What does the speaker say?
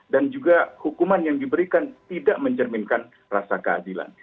dan juga hukuman yang diberikan tidak mencerminkan rasa keadilan